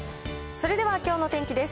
それではきょうの天気です。